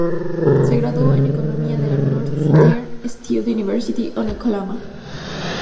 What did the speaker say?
Se graduó en economía en la Northeastern State University en Oklahoma.